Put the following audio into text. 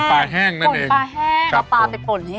ปล๋อปลาแห่งวันไพ่ปนให้แห้ง